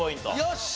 よし！